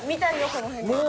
この辺で。